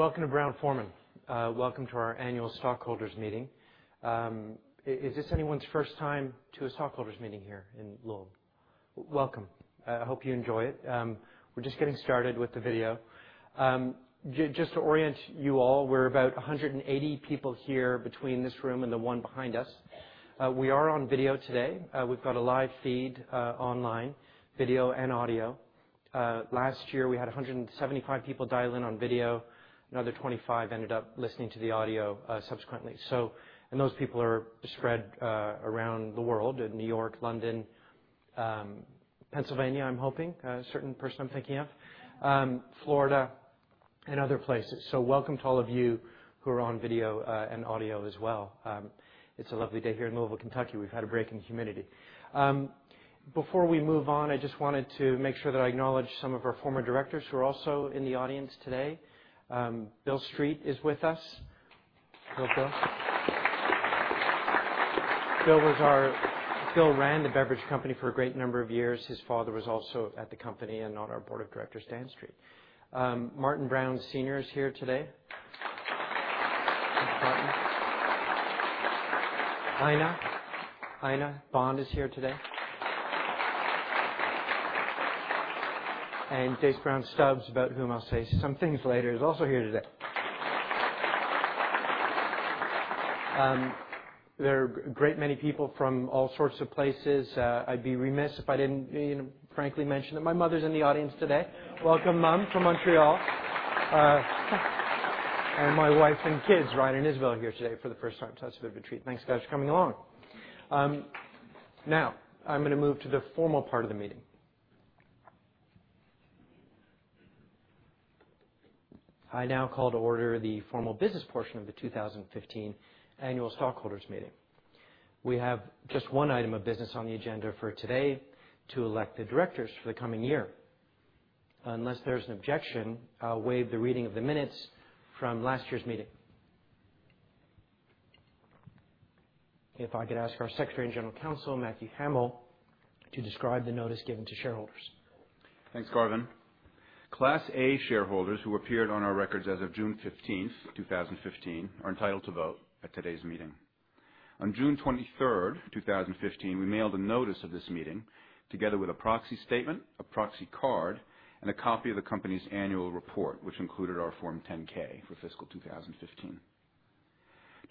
Welcome to Brown-Forman. Welcome to our annual stockholders meeting. Is this anyone's first time to a stockholders meeting here in Louisville? Welcome. I hope you enjoy it. We're just getting started with the video. Just to orient you all, we're about 180 people here between this room and the one behind us. We are on video today. We've got a live feed online, video and audio. Last year, we had 175 people dial in on video. Another 25 ended up listening to the audio subsequently. Those people are spread around the world in New York, London, Pennsylvania, I'm hoping, a certain person I'm thinking of, Florida, and other places. Welcome to all of you who are on video and audio as well. It's a lovely day here in Louisville, Kentucky. We've had a break in humidity. Before we move on, I just wanted to make sure that I acknowledge some of our former directors who are also in the audience today. Bill Street is with us. Hello, Bill. Bill ran the beverage company for a great number of years. His father was also at the company and on our board of directors, Dan Street. Martin Brown Sr. is here today. Thanks, Martin. Ina Bond is here today. Dace Brown Stubbs, about whom I'll say some things later, is also here today. There are a great many people from all sorts of places. I'd be remiss if I didn't frankly mention that my mother's in the audience today. Welcome, Mom, from Montreal. My wife and kids, Ryan and Isabel, are here today for the first time, so that's a bit of a treat. Thanks, guys, for coming along. I'm going to move to the formal part of the meeting. I now call to order the formal business portion of the 2015 annual stockholders meeting. We have just one item of business on the agenda for today, to elect the directors for the coming year. Unless there's an objection, I'll waive the reading of the minutes from last year's meeting. If I could ask our Secretary and General Counsel, Matthew Hamel, to describe the notice given to shareholders. Thanks, Garvin. Class A shareholders who appeared on our records as of June 15th, 2015, are entitled to vote at today's meeting. On June 23rd, 2015, we mailed a notice of this meeting, together with a proxy statement, a proxy card, and a copy of the company's annual report, which included our Form 10-K for fiscal 2015.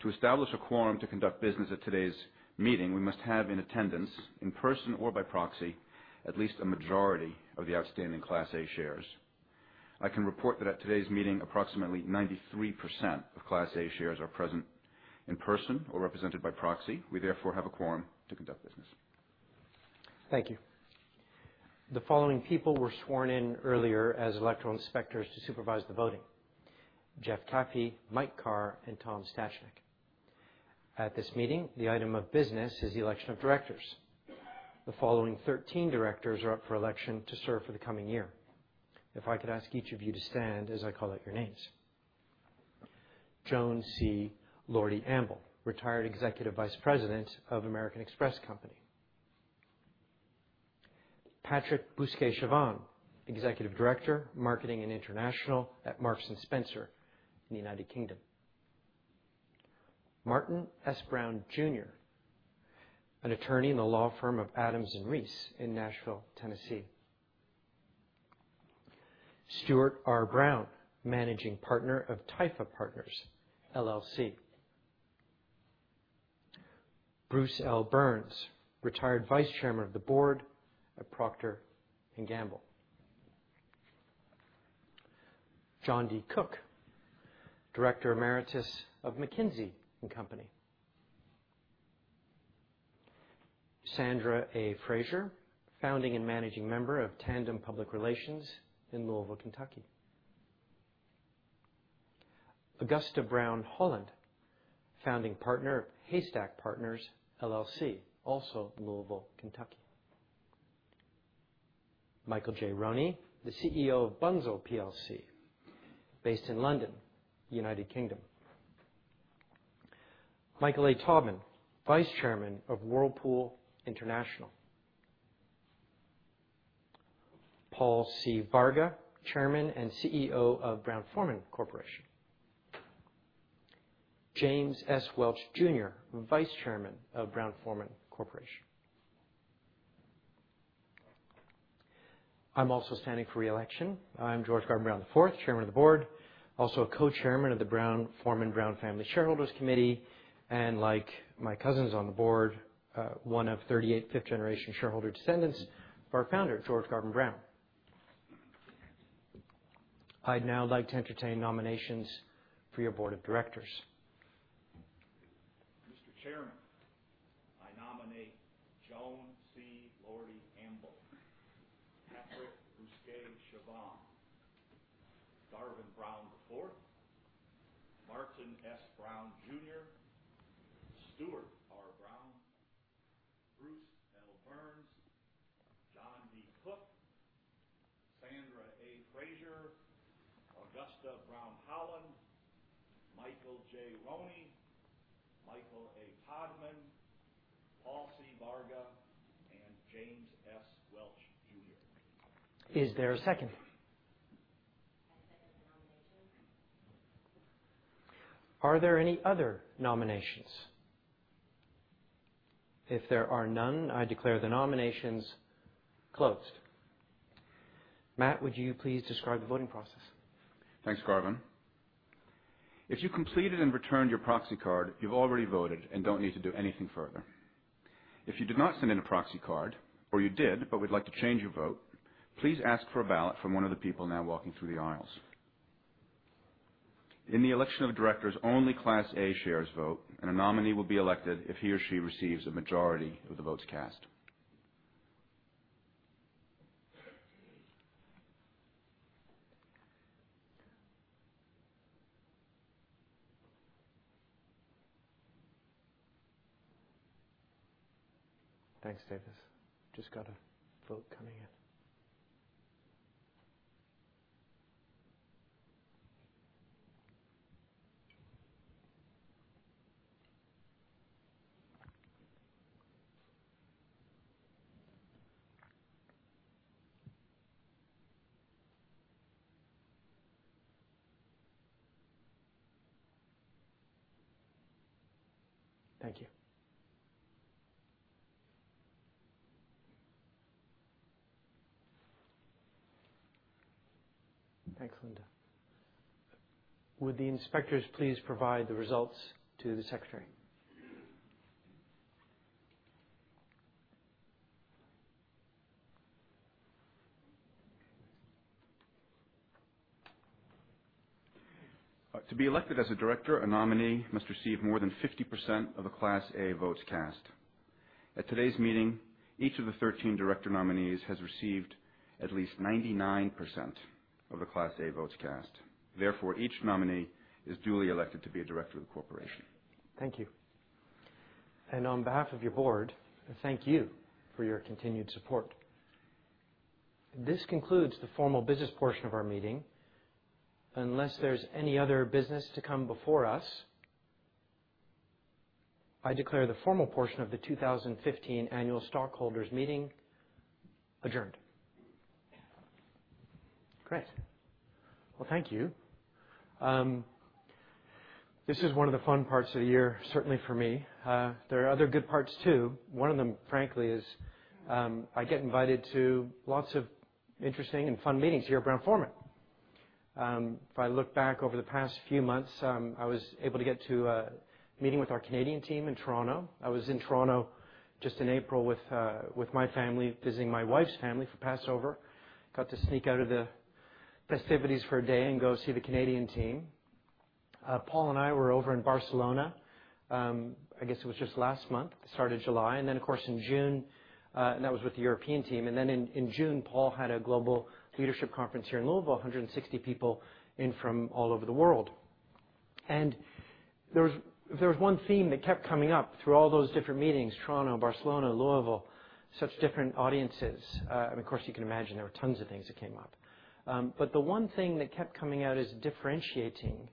To establish a quorum to conduct business at today's meeting, we must have in attendance, in person or by proxy, at least a majority of the outstanding Class A shares. I can report that at today's meeting, approximately 93% of Class A shares are present in person or represented by proxy. We therefore have a quorum to conduct business. Thank you. The following people were sworn in earlier as electoral inspectors to supervise the voting: Jeff Caffey, Mike Carr, and Tom Stachnik. At this meeting, the item of business is the election of directors. The following 13 directors are up for election to serve for the coming year. If I could ask each of you to stand as I call out your names. Joan C. Lordi Amble, retired Executive Vice President of American Express Company. Patrick Bousquet-Chavanne, Executive Director, Marketing and International at Marks & Spencer in the U.K. Martin S. Brown Jr., an attorney in the law firm of Adams and Reese in Nashville, Tennessee. Stuart R. Brown, Managing Partner of Typha Partners LLC. Bruce L. Burns, retired Vice Chairman of the Board at Procter & Gamble. John D. Cook, Director Emeritus of McKinsey & Company. Sandra A. Frazier, Founding and Managing Member of Tandem Public Relations in Louisville, Kentucky. Augusta Brown Holland, Founding Partner of Haystack Partners, LLC, also Louisville, Kentucky. Michael J. Roney, the CEO of Bunzl PLC based in London, U.K. Michael A. Todman, Vice Chairman of Whirlpool Corporation. Paul C. Varga, Chairman and CEO of Brown-Forman Corporation. James S. Welch Jr., Vice Chairman of Brown-Forman Corporation. I am also standing for re-election. I am George Garvin Brown IV, Chairman of the Board, also a Co-chairman of the Brown-Forman/Brown Family Shareholders Committee, and like my cousins on the board, one of 38 fifth-generation shareholder descendants of our founder, George Garvin Brown. I would now like to entertain nominations for your board of directors. Mr. Chairman, I nominate Joan C. Lordi Amble, Patrick Bousquet-Chavanne, Garvin Brown IV, Martin S. Brown Jr., Stuart R. Brown, Bruce L. Burns, John D. Cook, Sandra A. Frazier, Augusta Brown Holland, Michael J. Roney, Michael A. Todman, Paul C. Varga, and James S. Welch Jr. Is there a second? I second the nominations. Are there any other nominations? If there are none, I declare the nominations closed. Matt, would you please describe the voting process? Thanks, Garvin. If you completed and returned your proxy card, you've already voted and don't need to do anything further. If you did not send in a proxy card or you did but would like to change your vote, please ask for a ballot from one of the people now walking through the aisles. In the election of directors, only Class A shares vote, and a nominee will be elected if he or she receives a majority of the votes cast. Thanks, Davis. Just got a vote coming in. Thank you. Thanks, Linda. Would the inspectors please provide the results to the secretary? To be elected as a director, a nominee must receive more than 50% of the Class A votes cast. At today's meeting, each of the 13 director nominees has received at least 99% of the Class A votes cast. Therefore, each nominee is duly elected to be a director of the corporation. Thank you. On behalf of your board, thank you for your continued support. This concludes the formal business portion of our meeting. Unless there's any other business to come before us, I declare the formal portion of the 2015 Annual Stockholders Meeting adjourned. Great. Well, thank you. This is one of the fun parts of the year, certainly for me. There are other good parts, too. One of them, frankly, is I get invited to lots of interesting and fun meetings here at Brown-Forman. If I look back over the past few months, I was able to get to a meeting with our Canadian team in Toronto. I was in Toronto just in April with my family, visiting my wife's family for Passover. Got to sneak out of the festivities for a day and go see the Canadian team. Paul and I were over in Barcelona, I guess it was just last month, the start of July. That was with the European team. In June, Paul had a global leadership conference here in Louisville, 160 people in from all over the world. There was one theme that kept coming up through all those different meetings, Toronto, Barcelona, Louisville, such different audiences. Of course, you can imagine there were tons of things that came up. But the one thing that kept coming out as differentiating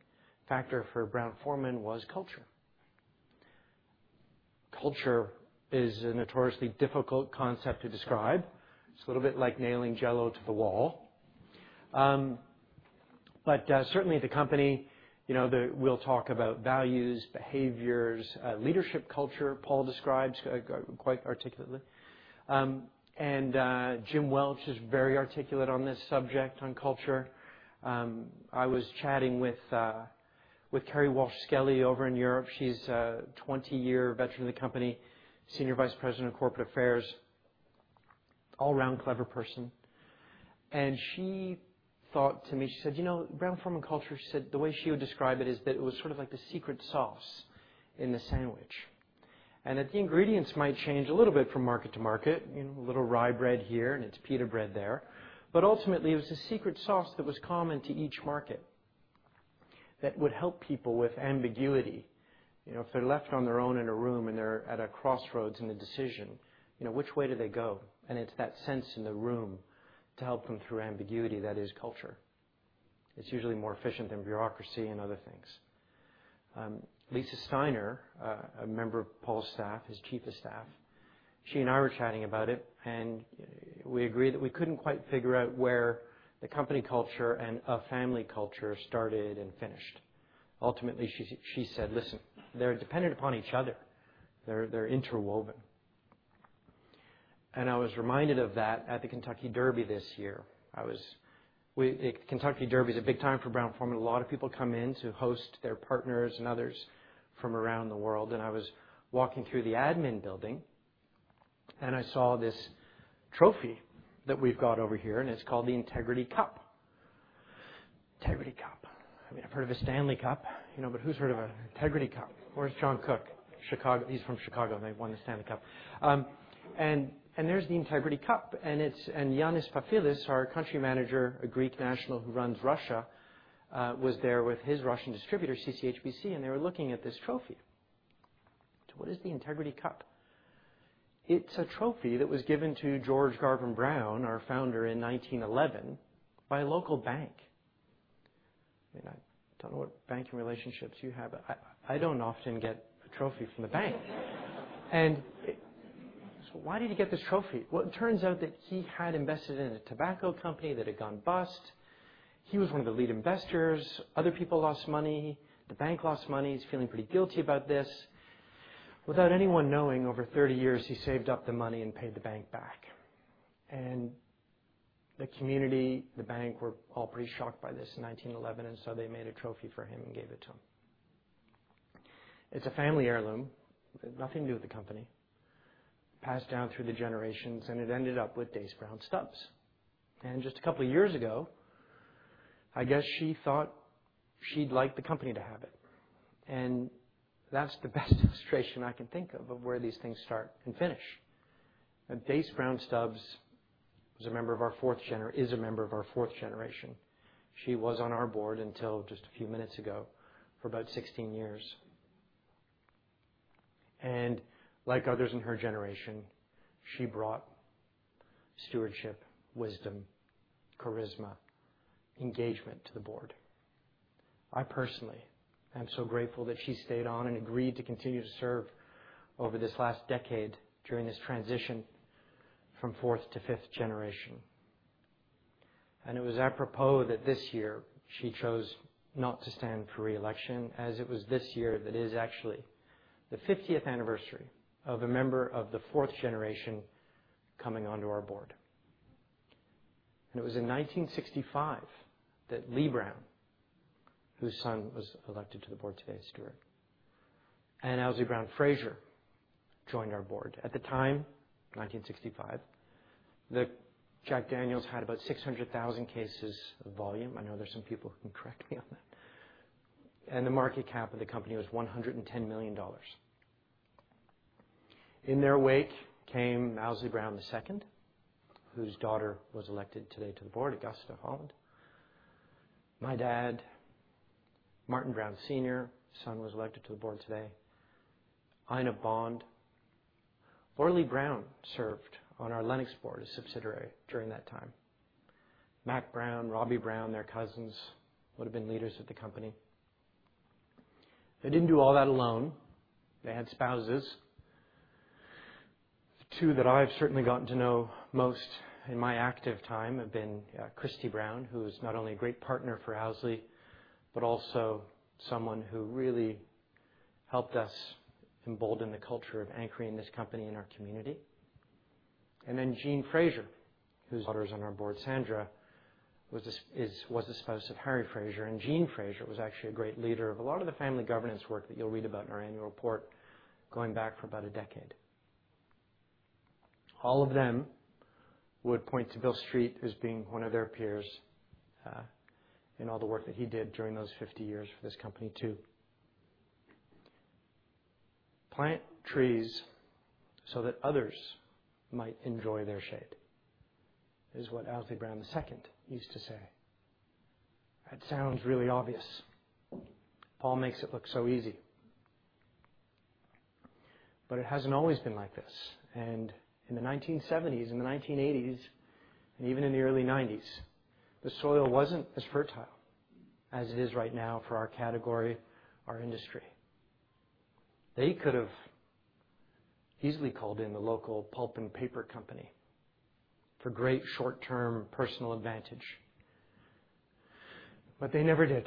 factor for Brown-Forman was culture. Culture is a notoriously difficult concept to describe. It's a little bit like nailing Jell-O to the wall. But certainly, the company, we'll talk about values, behaviors, leadership culture, Paul describes quite articulately. Jim Welch is very articulate on this subject, on culture. I was chatting with Kerry Walsh Skelly over in Europe. She's a 20-year veteran of the company, senior vice president of corporate affairs, all-round clever person. She thought to me, she said Brown-Forman culture, the way she would describe it is that it was sort of like the secret sauce in the sandwich, and that the ingredients might change a little bit from market to market, a little rye bread here, and it's pita bread there. But ultimately, it was the secret sauce that was common to each market that would help people with ambiguity. If they're left on their own in a room and they're at a crossroads in a decision, which way do they go? It's that sense in the room to help them through ambiguity that is culture. It's usually more efficient than bureaucracy and other things. Lisa Steiner, a member of Paul's staff, his chief of staff, she and I were chatting about it, and we agreed that we couldn't quite figure out where the company culture and a family culture started and finished. Ultimately, she said, "Listen, they're dependent upon each other. They're interwoven." I was reminded of that at the Kentucky Derby this year. Kentucky Derby is a big time for Brown-Forman. A lot of people come in to host their partners and others from around the world. I was walking through the admin building, I saw this trophy that we've got over here, and it's called the Integrity Cup. Integrity Cup. I've heard of a Stanley Cup, but who's heard of an Integrity Cup? Where's John Cook? He's from Chicago, and they won the Stanley Cup. There's the Integrity Cup. Yiannis Palamidas, our country manager, a Greek national who runs Russia, was there with his Russian distributor, CCHBC, and they were looking at this trophy. What is the Integrity Cup? It's a trophy that was given to George Garvin Brown, our founder, in 1911 by a local bank. I don't know what banking relationships you have, I don't often get a trophy from the bank. Why did he get this trophy? Well, it turns out that he had invested in a tobacco company that had gone bust. He was one of the lead investors. Other people lost money. The bank lost money. He's feeling pretty guilty about this. Without anyone knowing, over 30 years, he saved up the money and paid the bank back. The community, the bank, were all pretty shocked by this in 1911, so they made a trophy for him and gave it to him. It's a family heirloom, nothing to do with the company. Passed down through the generations, it ended up with Dace Brown Stubbs. Just a couple of years ago, I guess she thought she'd like the company to have it. That's the best illustration I can think of where these things start and finish. Now, Dace Brown Stubbs is a member of our fourth generation. She was on our board until just a few minutes ago, for about 16 years. Like others in her generation, she brought stewardship, wisdom, charisma, engagement to the board. I personally am so grateful that she stayed on and agreed to continue to serve over this last decade during this transition from fourth to fifth generation. It was apropos that this year she chose not to stand for re-election, as it was this year that is actually the 50th anniversary of a member of the fourth generation coming onto our board. It was in 1965 that Lee Brown, whose son was elected to the board today, Stuart, and Owsley Brown Frazier joined our board. At the time, 1965, Jack Daniel's had about 600,000 cases of volume. I know there's some people who can correct me on that. The market cap of the company was $110 million. In their wake came Owsley Brown II, whose daughter was elected today to the board, Augusta Holland. My dad, Martin Brown Sr., son was elected to the board today. Ina Bond. Owsley Brown served on our Lenox board, a subsidiary during that time. Mack Brown, Robbie Brown, their cousins, would've been leaders of the company. They didn't do all that alone. They had spouses. Two that I've certainly gotten to know most in my active time have been Christy Brown, who is not only a great partner for Owsley, but also someone who really helped us embolden the culture of anchoring this company in our community. Jean Frazier, whose daughter's on our board, Sandra, was the spouse of Harry Frazier, and Jean Frazier was actually a great leader of a lot of the family governance work that you'll read about in our annual report going back for about a decade. All of them would point to Bill Street as being one of their peers, in all the work that he did during those 50 years for this company, too. "Plant trees so that others might enjoy their shade," is what Owsley Brown II used to say. That sounds really obvious. Paul makes it look so easy. It hasn't always been like this. In the 1970s, in the 1980s, and even in the early '90s, the soil wasn't as fertile as it is right now for our category, our industry. They could've easily called in the local pulp and paper company for great short-term personal advantage. They never did.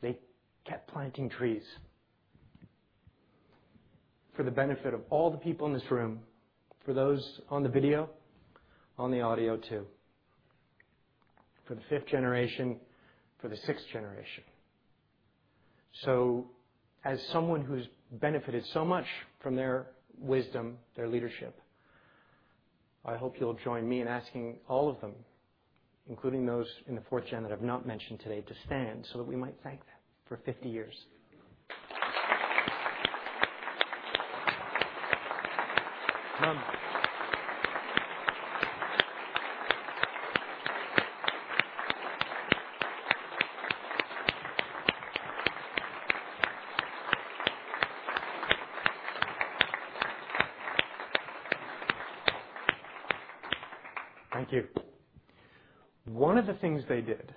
They kept planting trees for the benefit of all the people in this room, for those on the video, on the audio, too. For the fifth generation, for the sixth generation. As someone who's benefited so much from their wisdom, their leadership, I hope you'll join me in asking all of them, including those in the fourth generation that I've not mentioned today, to stand so that we might thank them for 50 years. Thank you. One of the things they did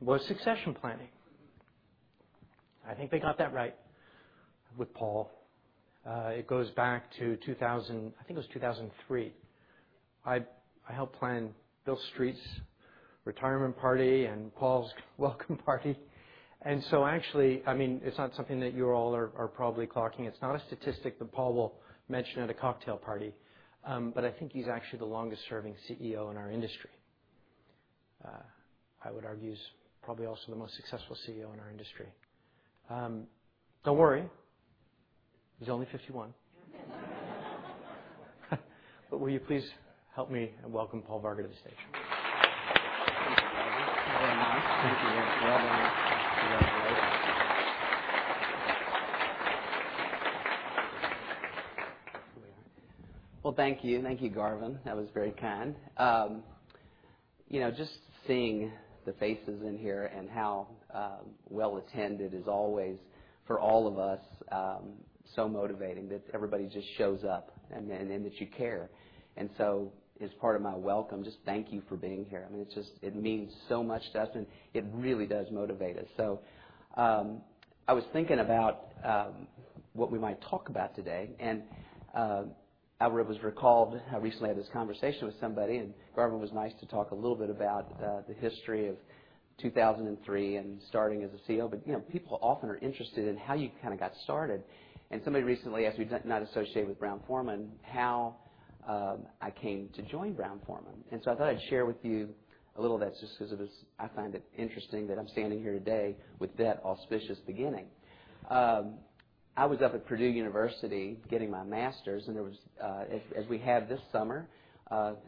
was succession planning. I think they got that right with Paul. It goes back to 2003. I helped plan Bill Street's retirement party and Paul's welcome party. Actually, it's not something that you all are probably clocking. It's not a statistic that Paul will mention at a cocktail party, but I think he's actually the longest-serving CEO in our industry. I would argue he's probably also the most successful CEO in our industry. Don't worry, he's only 51. Will you please help me welcome Paul Varga to the stage? Thank you. Thank you, Garvin. That was very kind. Just seeing the faces in here and how well attended is always, for all of us, so motivating that everybody just shows up and that you care. As part of my welcome, just thank you for being here. It means so much to us, and it really does motivate us. I was thinking about what we might talk about today. I was recalled how recently I had this conversation with somebody, and Garvin was nice to talk a little bit about the history of 2003 and starting as a CEO. People often are interested in how you got started. Somebody recently asked me, not associated with Brown-Forman, how I came to join Brown-Forman. I thought I'd share with you a little of that just because I find it interesting that I'm standing here today with that auspicious beginning. I was up at Purdue University getting my master's, and as we had this summer,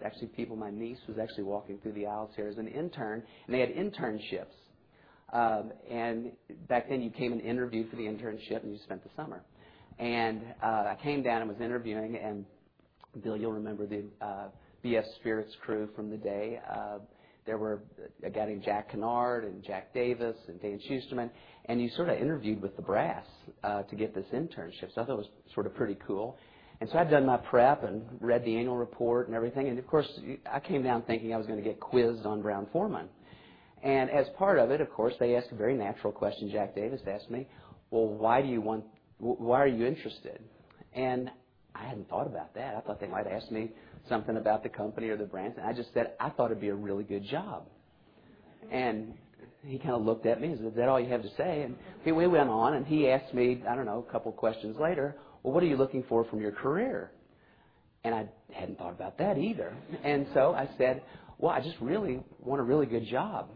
actually people, my niece was actually walking through the aisles here as an intern, and they had internships. Back then, you came and interviewed for the internship, and you spent the summer. I came down and was interviewing. Bill, you'll remember the B-F Spirits crew from the day. There were a guy named Jack Canard and Jack Davis and Dan Schusterman, and you sort of interviewed with the brass to get this internship. I thought it was pretty cool. I'd done my prep and read the annual report and everything. Of course, I came down thinking I was going to get quizzed on Brown-Forman. As part of it, of course, they asked a very natural question. Jack Davis asked me, "Why are you interested?" I hadn't thought about that. I thought they might ask me something about the company or the brands. I just said, "I thought it'd be a really good job." He kind of looked at me and said, "Is that all you have to say?" We went on, and he asked me, I don't know, a couple of questions later, "What are you looking for from your career?" I hadn't thought about that either. I said, "I just really want a really good job."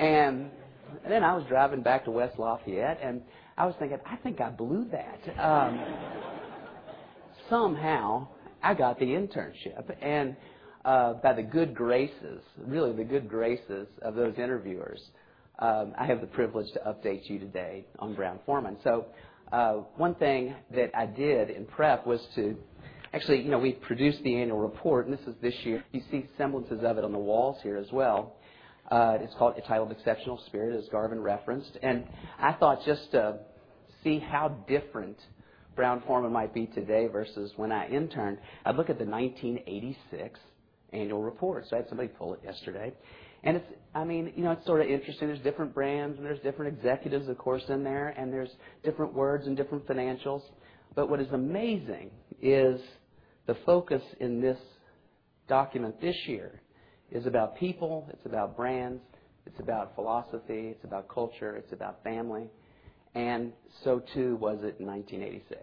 I was driving back to West Lafayette, and I was thinking, "I think I blew that." Somehow, I got the internship. By the good graces, really, the good graces of those interviewers, I have the privilege to update you today on Brown-Forman. One thing that I did in prep was to actually, we produced the annual report, and this is this year. You see semblances of it on the walls here as well. It's titled "Exceptional Spirit," as Garvin referenced. I thought just to see how different Brown-Forman might be today versus when I interned. I'd look at the 1986 annual report. I had somebody pull it yesterday. It's sort of interesting. There's different brands, and there's different executives, of course, in there, and there's different words and different financials. What is amazing is the focus in this document this year is about people, it's about brands, it's about philosophy, it's about culture, it's about family. Too was it in 1986.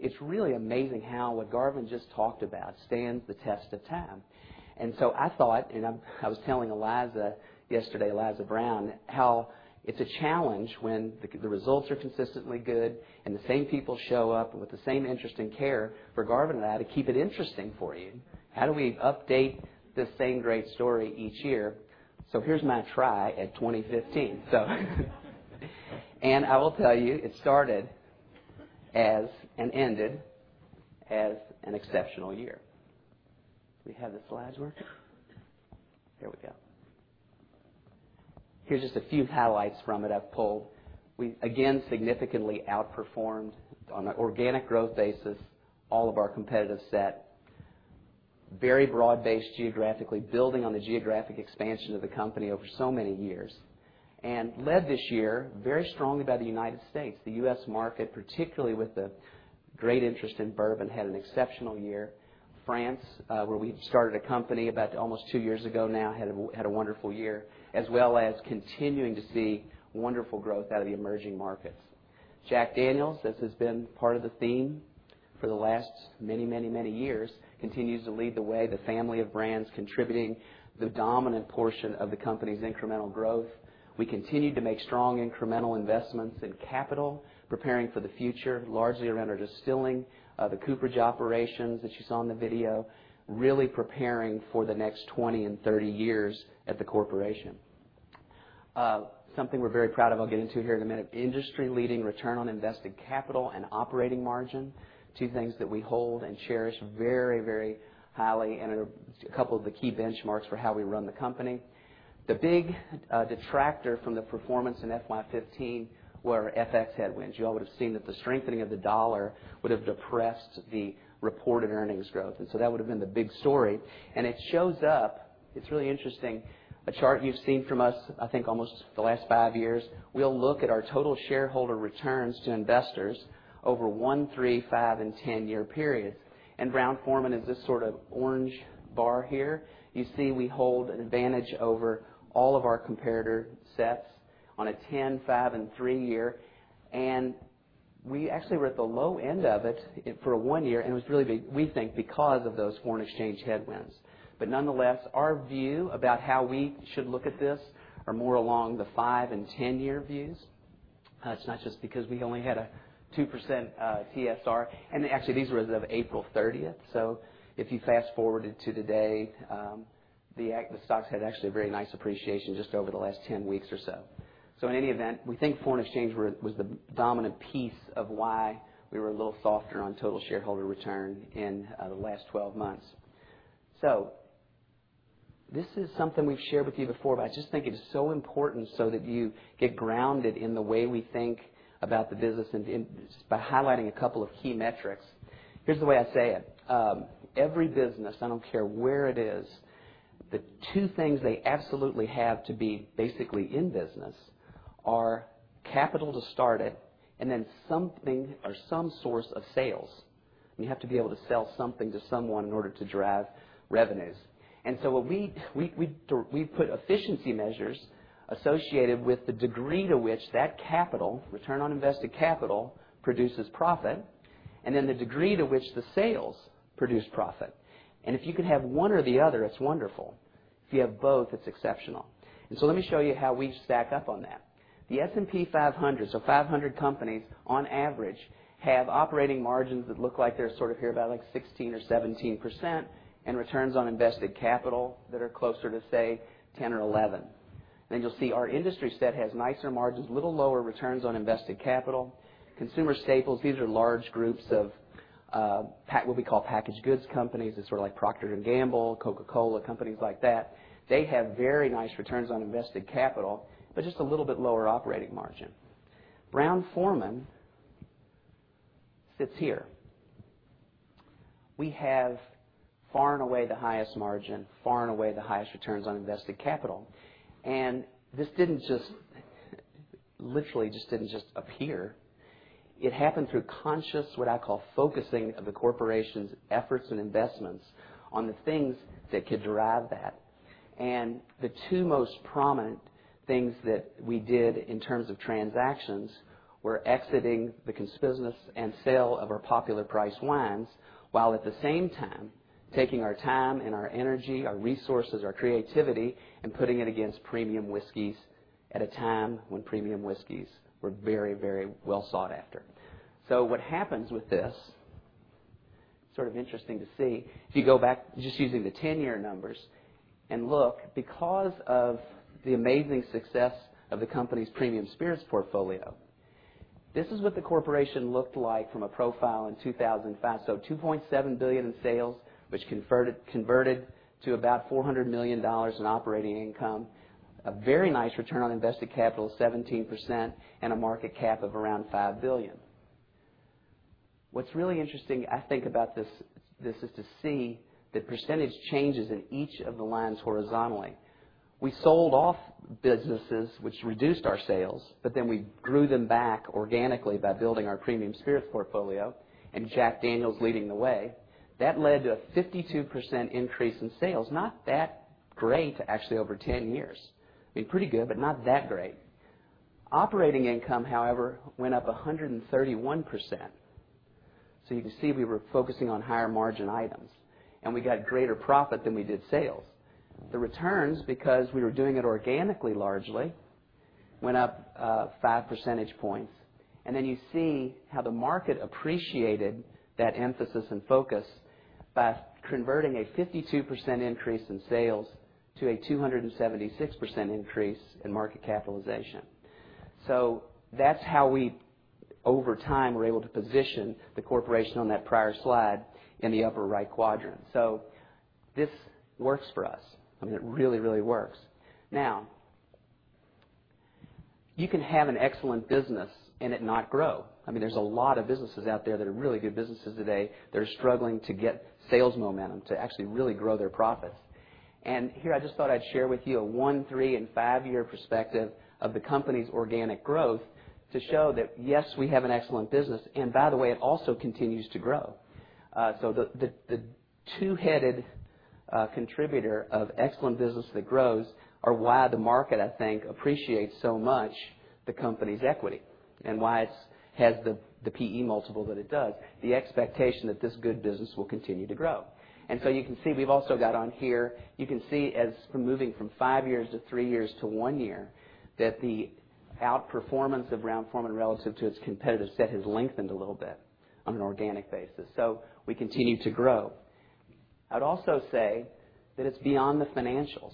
It's really amazing how what Garvin just talked about stands the test of time. I thought, and I was telling Eliza yesterday, Eliza Brown, how it's a challenge when the results are consistently good and the same people show up with the same interest and care for Garvin and I to keep it interesting for you. How do we update the same great story each year? Here's my try at 2015. I will tell you, it started as and ended as an exceptional year. Do we have the slides working? There we go. Here's just a few highlights from it I've pulled. We, again, significantly outperformed on an organic growth basis all of our competitive set. Very broad-based geographically, building on the geographic expansion of the company over so many years. Led this year very strongly by the U.S. The U.S. market, particularly with the great interest in bourbon, had an exceptional year. France, where we started a company about almost two years ago now, had a wonderful year, as well as continuing to see wonderful growth out of the emerging markets. Jack Daniel's, this has been part of the theme for the last many years, continues to lead the way, the family of brands contributing the dominant portion of the company's incremental growth. We continued to make strong incremental investments in capital, preparing for the future, largely around our distilling, the cooperage operations that you saw in the video, really preparing for the next 20 and 30 years at the corporation. Something we're very proud of, I'll get into here in a minute. Industry-leading return on invested capital and operating margin, two things that we hold and cherish very highly and are a couple of the key benchmarks for how we run the company. The big detractor from the performance in FY 2015 were FX headwinds. You all would've seen that the strengthening of the dollar would've depressed the reported earnings growth. That would've been the big story. It shows up, it's really interesting, a chart you've seen from us, I think almost the last five years. We'll look at our total shareholder returns to investors over one, three, five, and 10-year periods. Brown-Forman is this sort of orange bar here. You see we hold an advantage over all of our comparator sets on a 10-, five-, and three-year. We actually were at the low end of it for one year, and it was really, we think, because of those foreign exchange headwinds. Nonetheless, our view about how we should look at this are more along the five- and 10-year views. It's not just because we only had a 2% TSR. Actually, these were as of April 30th. If you fast-forward it to today, the stock's had actually a very nice appreciation just over the last 10 weeks or so. In any event, we think foreign exchange was the dominant piece of why we were a little softer on total shareholder return in the last 12 months. This is something we've shared with you before, but I just think it is so important so that you get grounded in the way we think about the business and by highlighting a couple of key metrics. Here's the way I say it. Every business, I don't care where it is, the two things they absolutely have to be basically in business are capital to start it, and then something or some source of sales. You have to be able to sell something to someone in order to drive revenues. We put efficiency measures associated with the degree to which that capital, return on invested capital, produces profit, and then the degree to which the sales produce profit. If you can have one or the other, it's wonderful. If you have both, it's exceptional. Let me show you how we stack up on that. The S&P 500, so 500 companies on average, have operating margins that look like they're sort of here about 16% or 17%, and returns on invested capital that are closer to, say, 10% or 11%. You'll see our industry set has nicer margins, little lower returns on invested capital. Consumer staples, these are large groups of what we call packaged goods companies. It's sort of like Procter & Gamble, Coca-Cola, companies like that. They have very nice returns on invested capital, but just a little bit lower operating margin. Brown-Forman sits here. We have far and away the highest margin, far and away the highest returns on invested capital. This literally didn't just appear. It happened through conscious, what I call focusing of the corporation's efforts and investments on the things that could drive that. The two most prominent things that we did in terms of transactions were exiting the business and sale of our popular price wines, while at the same time taking our time and our energy, our resources, our creativity, and putting it against premium whiskeys at a time when premium whiskeys were very well sought after. What happens with this, sort of interesting to see. If you go back, just using the 10-year numbers and look, because of the amazing success of the company's premium spirits portfolio, this is what the corporation looked like from a profile in 2005. $2.7 billion in sales, which converted to about $400 million in operating income, a very nice return on invested capital of 17%, and a market cap of around $5 billion. What's really interesting, I think, about this is to see the percentage changes in each of the lines horizontally. We sold off businesses, which reduced our sales, but then we grew them back organically by building our premium spirits portfolio and Jack Daniel's leading the way. That led to a 52% increase in sales. Not that great, actually, over 10 years. I mean, pretty good, but not that great. Operating income, however, went up 131%. You can see we were focusing on higher margin items, and we got greater profit than we did sales. The returns, because we were doing it organically largely, went up five percentage points. You see how the market appreciated that emphasis and focus by converting a 52% increase in sales to a 276% increase in market capitalization. That's how we, over time, were able to position the corporation on that prior slide in the upper right quadrant. This works for us. I mean, it really works. Now, you can have an excellent business and it not grow. I mean, there's a lot of businesses out there that are really good businesses today that are struggling to get sales momentum to actually really grow their profits. Here I just thought I'd share with you a one, three, and five-year perspective of the company's organic growth to show that, yes, we have an excellent business. And by the way, it also continues to grow. The two-headed contributor of excellent business that grows are why the market, I think, appreciates so much the company's equity and why it has the PE multiple that it does, the expectation that this good business will continue to grow. You can see we've also got on here, you can see as we're moving from five years to three years to one year, that the outperformance of Brown-Forman relative to its competitive set has lengthened a little bit on an organic basis. We continue to grow. I'd also say that it's beyond the financials.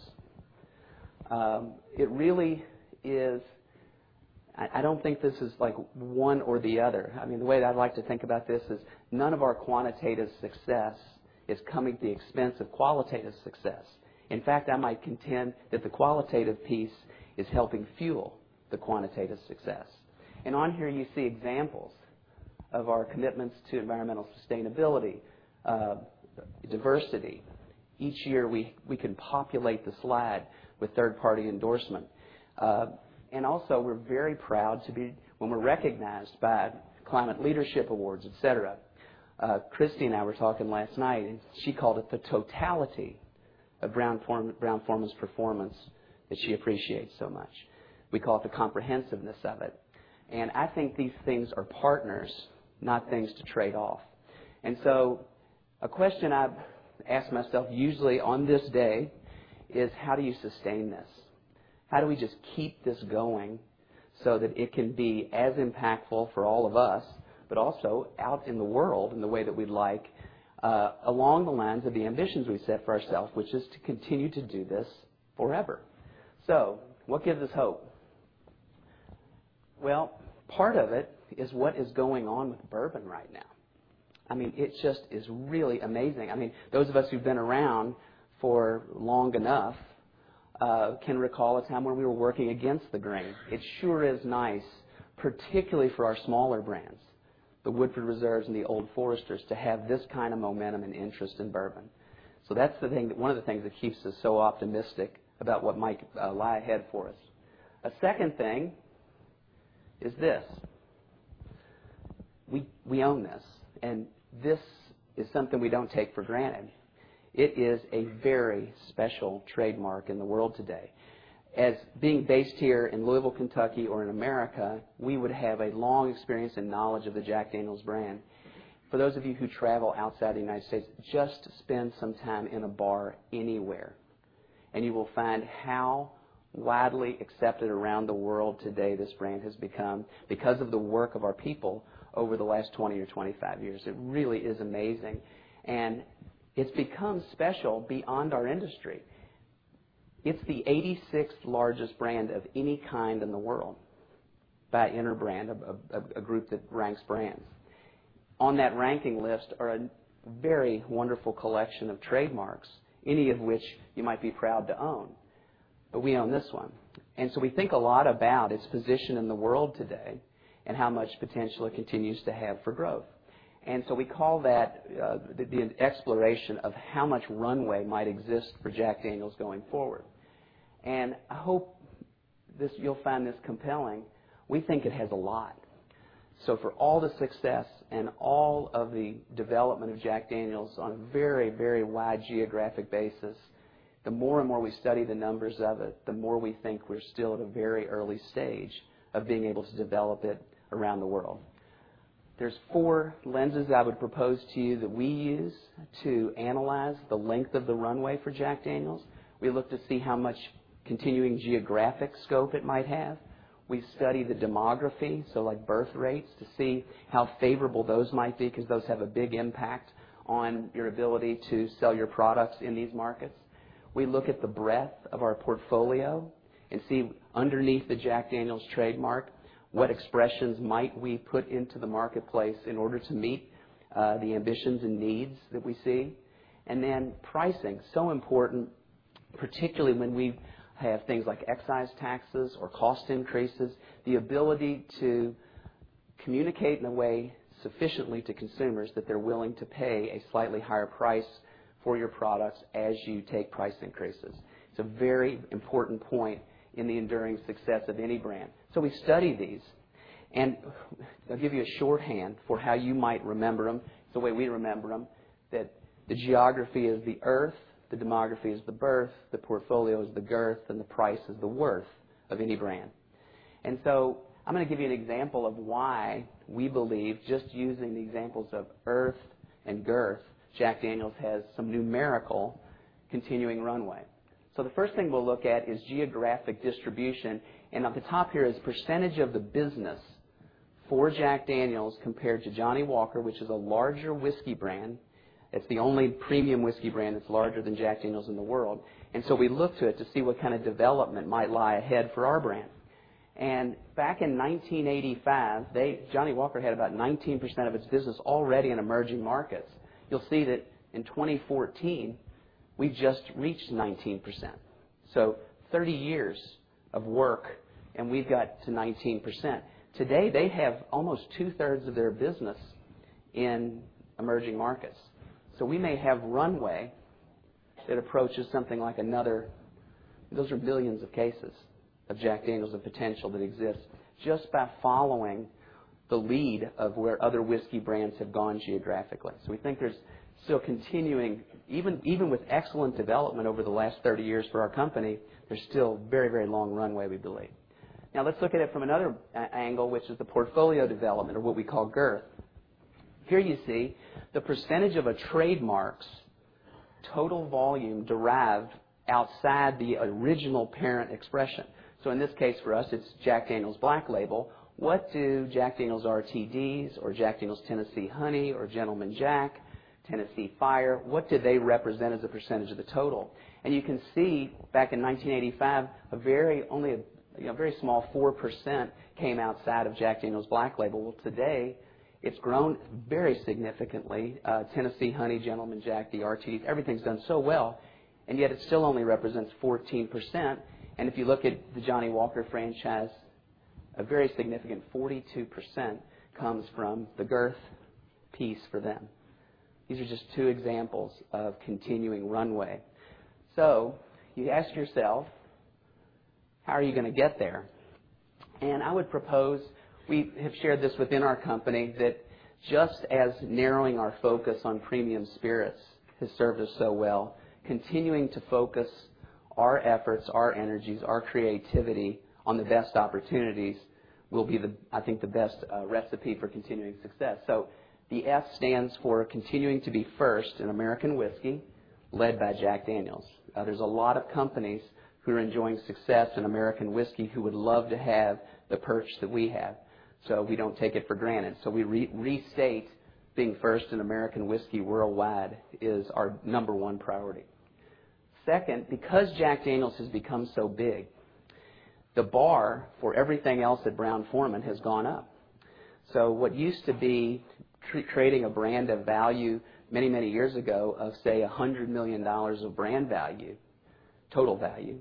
I don't think this is one or the other. I mean, the way that I'd like to think about this is none of our quantitative success is coming at the expense of qualitative success. In fact, I might contend that the qualitative piece is helping fuel the quantitative success. On here you see examples of our commitments to environmental sustainability, diversity. Each year, we can populate the slide with third-party endorsement. Also, we're very proud when we're recognized by climate leadership awards, et cetera. Christy and I were talking last night, and she called it the totality of Brown-Forman's performance that she appreciates so much. We call it the comprehensiveness of it. I think these things are partners, not things to trade off. A question I've asked myself usually on this day is: how do you sustain this? How do we just keep this going? That it can be as impactful for all of us, but also out in the world in the way that we'd like, along the lines of the ambitions we set for ourselves, which is to continue to do this forever. What gives us hope? Well, part of it is what is going on with bourbon right now. It just is really amazing. Those of us who've been around for long enough, can recall a time when we were working against the grain. It sure is nice, particularly for our smaller brands, the Woodford Reserve and the Old Forester, to have this kind of momentum and interest in bourbon. That's one of the things that keeps us so optimistic about what might lie ahead for us. A second thing is this. We own this, and this is something we don't take for granted. It is a very special trademark in the world today. As being based here in Louisville, Kentucky or in America, we would have a long experience and knowledge of the Jack Daniel's brand. For those of you who travel outside the United States, just spend some time in a bar anywhere, and you will find how widely accepted around the world today this brand has become, because of the work of our people over the last 20 or 25 years. It really is amazing. It's become special beyond our industry. It's the 86th largest brand of any kind in the world by Interbrand, a group that ranks brands. On that ranking list are a very wonderful collection of trademarks, any of which you might be proud to own. We own this one. We think a lot about its position in the world today and how much potential it continues to have for growth. We call that the exploration of how much runway might exist for Jack Daniel's going forward. I hope you'll find this compelling. We think it has a lot. For all the success and all of the development of Jack Daniel's on a very, very wide geographic basis, the more and more we study the numbers of it, the more we think we're still at a very early stage of being able to develop it around the world. There's four lenses I would propose to you that we use to analyze the length of the runway for Jack Daniel's. We look to see how much continuing geographic scope it might have. We study the demography, like birth rates, to see how favorable those might be, because those have a big impact on your ability to sell your products in these markets. We look at the breadth of our portfolio and see underneath the Jack Daniel's trademark, what expressions might we put into the marketplace in order to meet the ambitions and needs that we see. Pricing, so important, particularly when we have things like excise taxes or cost increases. The ability to communicate in a way sufficiently to consumers that they're willing to pay a slightly higher price for your products as you take price increases. It's a very important point in the enduring success of any brand. We study these, and I'll give you a shorthand for how you might remember them. It's the way we remember them, that the geography is the earth, the demography is the birth, the portfolio is the girth, and the price is the worth of any brand. I'm going to give you an example of why we believe, just using the examples of earth and girth, Jack Daniel's has some numerical continuing runway. The first thing we'll look at is geographic distribution, and at the top here is percentage of the business for Jack Daniel's compared to Johnnie Walker, which is a larger whiskey brand. It's the only premium whiskey brand that's larger than Jack Daniel's in the world. We look to it to see what kind of development might lie ahead for our brand. Back in 1985, Johnnie Walker had about 19% of its business already in emerging markets. You'll see that in 2014, we just reached 19%. 30 years of work, and we've got to 19%. Today, they have almost two-thirds of their business in emerging markets. We may have runway that approaches something like. Those are billions of cases of Jack Daniel's, the potential that exists, just by following the lead of where other whiskey brands have gone geographically. We think there's still continuing, even with excellent development over the last 30 years for our company, there's still very, very long runway, we believe. Let's look at it from another angle, which is the portfolio development, or what we call girth. Here you see the percentage of a trademark's total volume derived outside the original parent expression. In this case, for us, it's Jack Daniel's Black Label. What do Jack Daniel's RTDs or Jack Daniel's Tennessee Honey or Gentleman Jack, Tennessee Fire, what do they represent as a percentage of the total? You can see back in 1985, only a very small 4% came outside of Jack Daniel's Black Label. Well, today it's grown very significantly. Tennessee Honey, Gentleman Jack, the RTD, everything's done so well, and yet it still only represents 14%. If you look at the Johnnie Walker franchise, a very significant 42% comes from the girth piece for them. These are just two examples of continuing runway. You ask yourself, how are you going to get there? I would propose, we have shared this within our company, that just as narrowing our focus on premium spirits has served us so well, continuing to focus our efforts, our energies, our creativity on the best opportunities will be, I think, the best recipe for continuing success. The F stands for continuing to be first in American whiskey. Led by Jack Daniel's. There's a lot of companies who are enjoying success in American whiskey who would love to have the perch that we have. We don't take it for granted. We restate being first in American whiskey worldwide is our number one priority. Second, because Jack Daniel's has become so big, the bar for everything else at Brown-Forman has gone up. What used to be creating a brand of value many, many years ago of, say, $100 million of brand value, total value,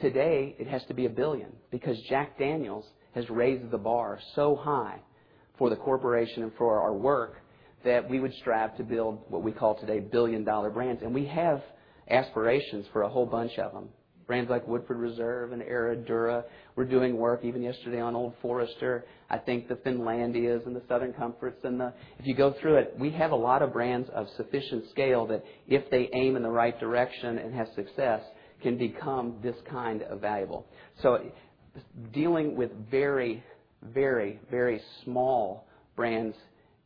today, it has to be a billion because Jack Daniel's has raised the bar so high for the corporation and for our work that we would strive to build what we call today billion-dollar brands. We have aspirations for a whole bunch of them. Brands like Woodford Reserve and Herradura. We're doing work even yesterday on Old Forester. I think the Finlandias and the Southern Comforts. If you go through it, we have a lot of brands of sufficient scale that if they aim in the right direction and have success, can become this kind of valuable. Dealing with very, very, very small brands,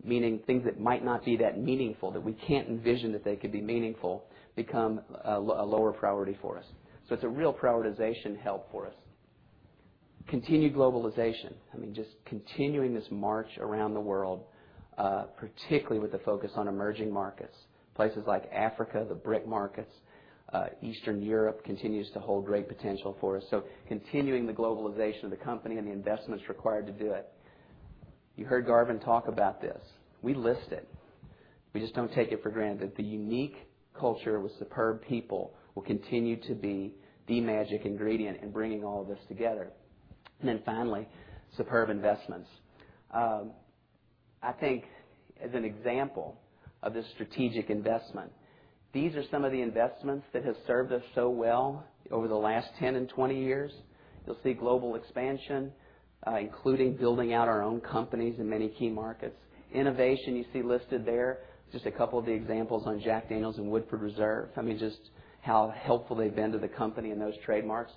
meaning things that might not be that meaningful, that we can't envision that they could be meaningful, become a lower priority for us. It's a real prioritization help for us. Continued globalization. Just continuing this march around the world, particularly with the focus on emerging markets, places like Africa, the BRIC markets. Eastern Europe continues to hold great potential for us. Continuing the globalization of the company and the investments required to do it. You heard Garvin talk about this. We list it. We just don't take it for granted. The unique culture with superb people will continue to be the magic ingredient in bringing all this together. Finally, superb investments. I think as an example of the strategic investment, these are some of the investments that have served us so well over the last 10 and 20 years. You'll see global expansion, including building out our own companies in many key markets. Innovation you see listed there, just a couple of the examples on Jack Daniel's and Woodford Reserve. Just how helpful they've been to the company and those trademarks.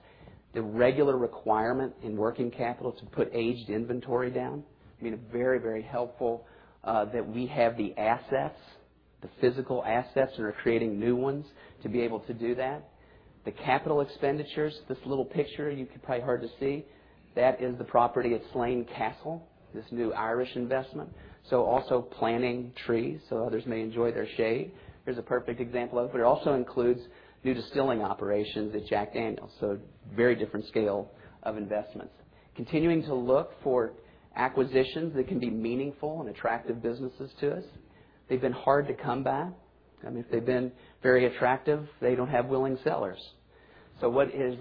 The regular requirement in working capital to put aged inventory down. Very, very helpful, that we have the assets, the physical assets and are creating new ones to be able to do that. The capital expenditures, this little picture, probably hard to see. That is the property at Slane Castle, this new Irish investment. Also planting trees so others may enjoy their shade. Here's a perfect example of it. It also includes new distilling operations at Jack Daniel's. Very different scale of investments. Continuing to look for acquisitions that can be meaningful and attractive businesses to us. They've been hard to come by. If they've been very attractive, they don't have willing sellers. What it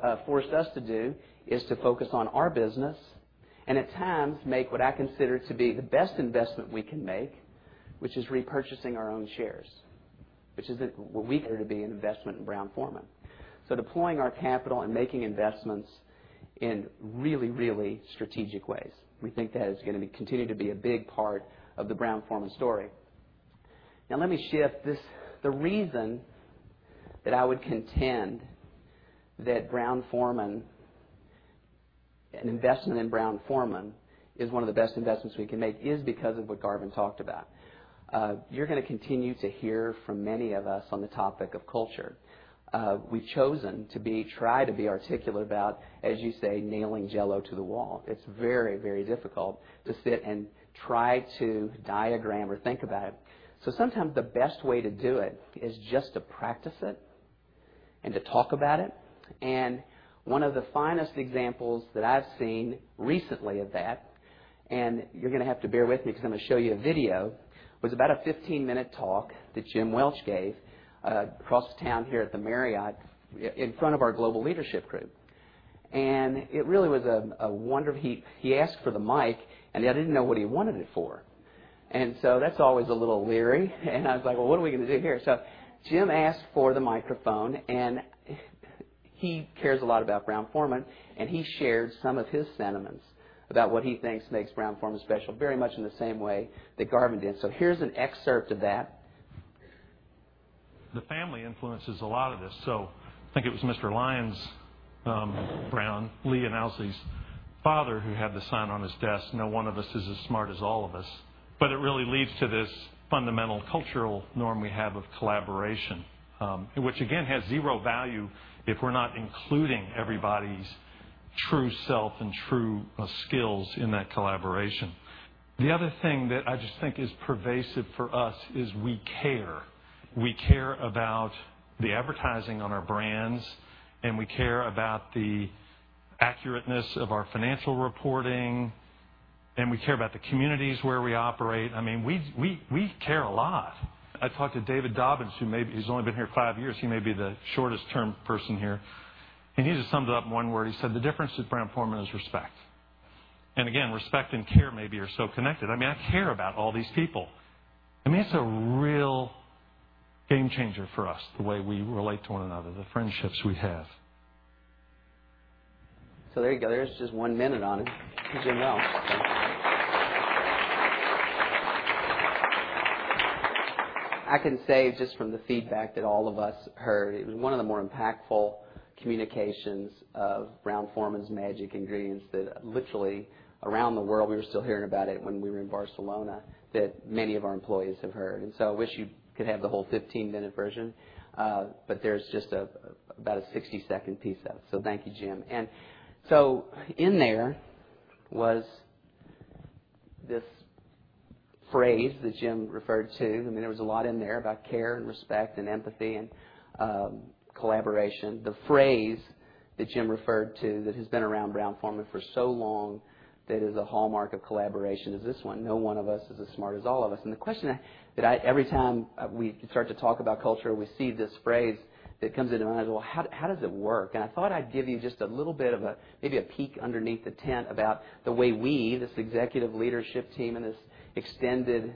has forced us to do is to focus on our business, and at times, make what I consider to be the best investment we can make, which is repurchasing our own shares. Which is we're eager to be an investment in Brown-Forman. Deploying our capital and making investments in really strategic ways. We think that is going to continue to be a big part of the Brown-Forman story. Let me shift this. The reason that I would contend that Brown-Forman, an investment in Brown-Forman is one of the best investments we can make is because of what Garvin talked about. You're going to continue to hear from many of us on the topic of culture. We've chosen to try to be articulate about, as you say, nailing Jell-O to the wall. It's very difficult to sit and try to diagram or think about it. Sometimes the best way to do it is just to practice it and to talk about it. One of the finest examples that I've seen recently of that, and you're going to have to bear with me because I'm going to show you a video, was about a 15-minute talk that Jim Welch gave across town here at the Marriott in front of our global leadership group. It really was a wonder. He asked for the mic. I didn't know what he wanted it for. That's always a little leery. I was like, "Well, what are we going to do here?" Jim asked for the microphone. He cares a lot about Brown-Forman. He shared some of his sentiments about what he thinks makes Brown-Forman special, very much in the same way that Garvin did. Here's an excerpt of that. The family influences a lot of this. I think it was Mr. Lyons Brown, Lee and Elsie's father, who had the sign on his desk. "No one of us is as smart as all of us." It really leads to this fundamental cultural norm we have of collaboration, which again, has zero value if we're not including everybody's true self and true skills in that collaboration. The other thing that I just think is pervasive for us is we care. We care about the advertising on our brands. We care about the accuracy of our financial reporting. We care about the communities where we operate. We care a lot. I talked to David Dobbins, who's only been here five years. He may be the shortest-term person here. He just sums it up in one word. He said, "The difference with Brown-Forman is respect." Again, respect and care maybe are so connected. I care about all these people. It's a real game changer for us, the way we relate to one another, the friendships we have. There you go. There's just one minute on him, Jim Welch. I can say just from the feedback that all of us heard, it was one of the more impactful communications of Brown-Forman's magic ingredients that literally around the world, we were still hearing about it when we were in Barcelona, that many of our employees have heard. I wish you could have the whole 15-minute version, but there's just about a 60-second piece of it. Thank you, Jim. In there was this phrase that Jim referred to. There was a lot in there about care and respect and empathy and collaboration. The phrase that Jim referred to that has been around Brown-Forman for so long that is a hallmark of collaboration is this one: No one of us is as smart as all of us. The question that every time we start to talk about culture, we see this phrase that comes into mind is, well, how does it work? I thought I'd give you just a little bit of maybe a peek underneath the tent about the way we, this executive leadership team, and this extended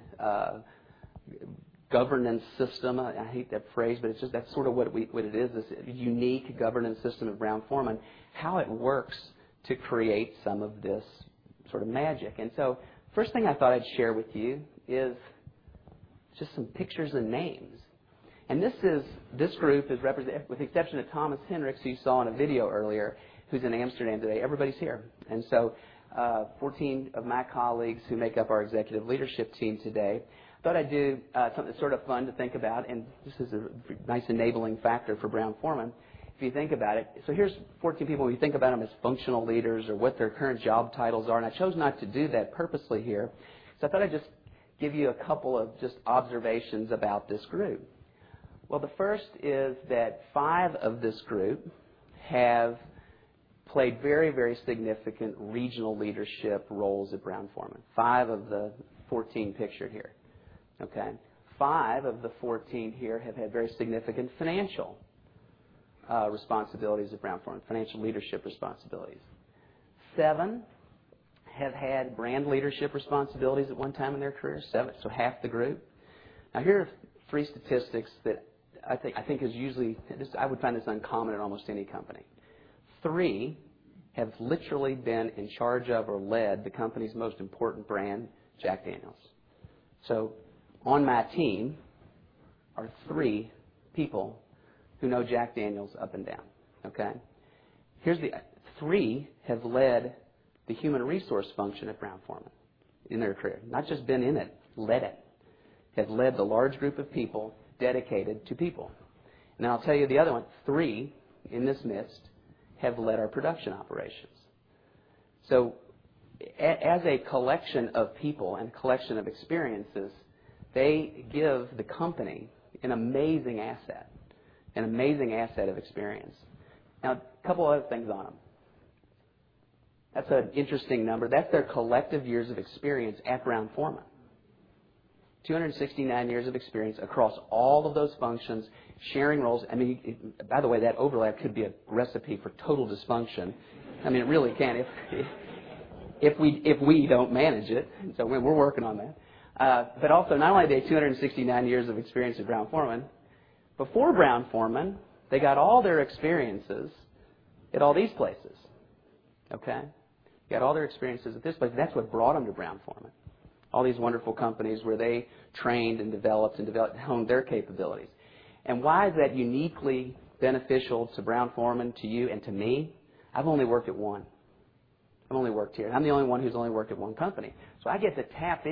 governance system. I hate that phrase, but it's just that's sort of what it is, this unique governance system of Brown-Forman, how it works to create some of this sort of magic. First thing I thought I'd share with you is just some pictures and names. This group is represented, with the exception of Thomas Hinrichs, who you saw in a video earlier, who's in Amsterdam today. Everybody's here. 14 of my colleagues who make up our executive leadership team today. Thought I'd do something sort of fun to think about, this is a nice enabling factor for Brown-Forman if you think about it. Here's 14 people. We think about them as functional leaders or what their current job titles are, I chose not to do that purposely here. I thought I'd just give you a couple of just observations about this group. The first is that five of this group have played very, very significant regional leadership roles at Brown-Forman. Five of the 14 pictured here. Okay? Five of the 14 here have had very significant financial responsibilities at Brown-Forman, financial leadership responsibilities. Seven have had brand leadership responsibilities at one time in their career. Seven, so half the group. Here are three statistics that I think is usually, I would find this uncommon at almost any company. Three have literally been in charge of or led the company's most important brand, Jack Daniel's. On my team are three people who know Jack Daniel's up and down. Okay? Three have led the human resource function at Brown-Forman in their career. Not just been in it, led it. Have led the large group of people dedicated to people. I'll tell you the other one. Three in this midst have led our production operations. As a collection of people and collection of experiences, they give the company an amazing asset, an amazing asset of experience. A couple other things on them. That's an interesting number. That's their collective years of experience at Brown-Forman. 269 years of experience across all of those functions, sharing roles. By the way, that overlap could be a recipe for total dysfunction. It really can if we don't manage it, so we're working on that. Also, not only are they 269 years of experience at Brown-Forman, before Brown-Forman, they got all their experiences at all these places. Okay? Got all their experiences at this place. That's what brought them to Brown-Forman. All these wonderful companies where they trained and developed and honed their capabilities. Why is that uniquely beneficial to Brown-Forman, to you, and to me? I've only worked at one. I've only worked here. I'm the only one who's only worked at one company. I get to tap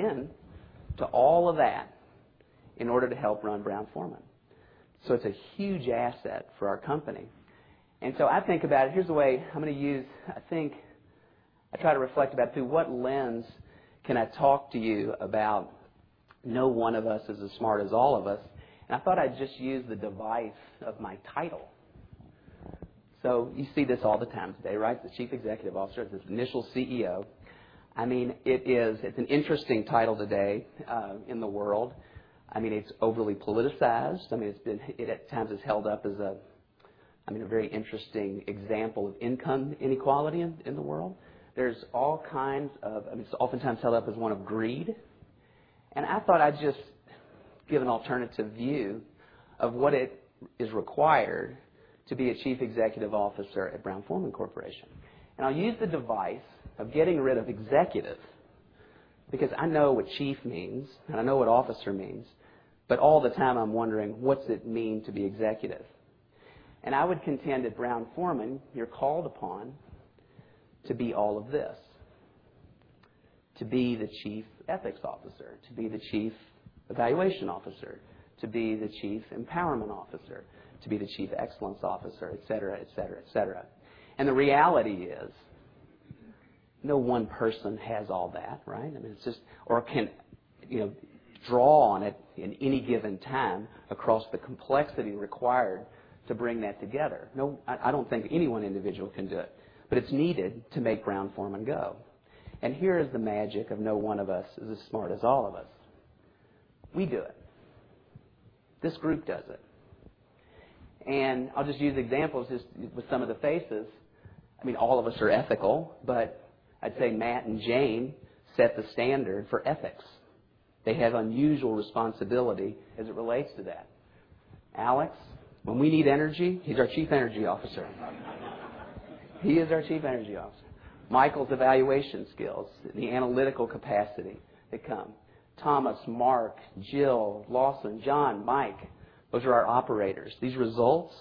into all of that in order to help run Brown-Forman. It's a huge asset for our company. I think about it, here's a way I'm going to use, I think I try to reflect about through what lens can I talk to you about no one of us is as smart as all of us, and I thought I'd just use the device of my title. You see this all the time today, right? The chief executive officer, this initial CEO. It's an interesting title today, in the world. It's overly politicized. It, at times, is held up as a very interesting example of income inequality in the world. It's oftentimes held up as one of greed. I thought I'd just give an alternative view of what it is required to be a chief executive officer at Brown-Forman Corporation. I'll use the device of getting rid of executive because I know what chief means, and I know what officer means, but all the time, I'm wondering what's it mean to be executive. I would contend at Brown-Forman, you're called upon to be all of this, to be the chief ethics officer, to be the chief evaluation officer, to be the chief empowerment officer, to be the chief excellence officer, et cetera. The reality is no one person has all that, right? Or can draw on it in any given time across the complexity required to bring that together. I don't think any one individual can do it, but it's needed to make Brown-Forman go. Here is the magic of no one of us is as smart as all of us. We do it. This group does it. I'll just use examples just with some of the faces. All of us are ethical, but I'd say Matt and Jane set the standard for ethics. They have unusual responsibility as it relates to that. Alex, when we need energy, he's our chief energy officer. He is our chief energy officer. Michael's evaluation skills, the analytical capacity that come. Thomas, Mark, Jill, Lawson, John, Mike, those are our operators. These results,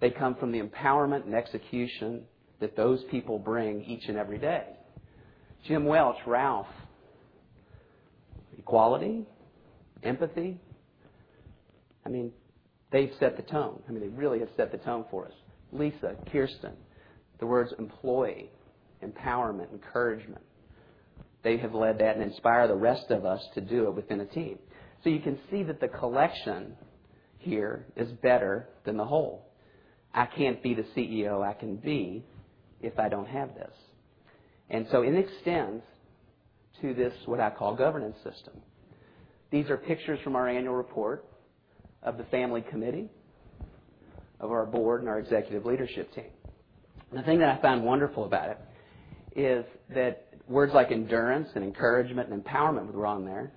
they come from the empowerment and execution that those people bring each and every day. Jim Welch, Ralph. Equality, empathy. They've set the tone. They really have set the tone for us. Lisa, Kirsten. The words employee, empowerment, encouragement. They have led that and inspire the rest of us to do it within a team. You can see that the collection here is better than the whole. I can't be the CEO I can be if I don't have this. It extends to this, what I call governance system. These are pictures from our annual report of the family committee, of our board, and our executive leadership team. The thing that I found wonderful about it is that words like endurance and encouragement and empowerment were on there.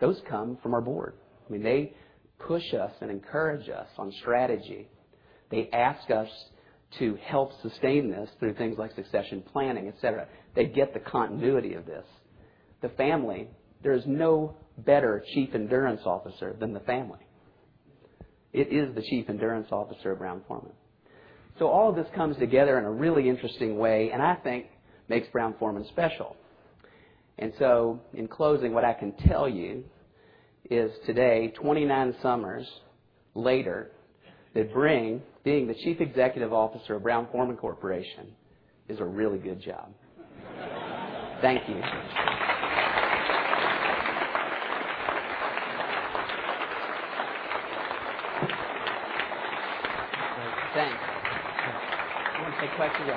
Those come from our board. They push us and encourage us on strategy. They ask us to help sustain this through things like succession planning, et cetera. They get the continuity of this. The family, there's no better chief endurance officer than the family. It is the chief endurance officer of Brown-Forman. All of this comes together in a really interesting way, and I think makes Brown-Forman special. In closing, what I can tell you is today, 29 summers later, that being the chief executive officer of Brown-Forman Corporation is a really good job. Thank you. Thanks. You want to take questions?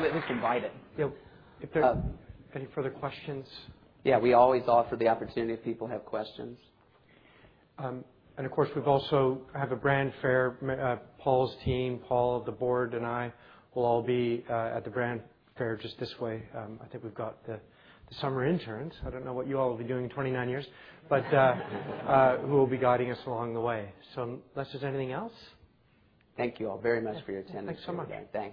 We're at least invited. If there's any further questions. Yeah, we always offer the opportunity if people have questions. Of course, we also have a brand fair. Paul's team, Paul, the board, and I will all be at the brand fair just this way. I think we've got the summer interns. I don't know what you all will be doing in 29 years. Who will be guiding us along the way. Unless there's anything else. Thank you all very much for your attendance today. Thanks so much. Thanks.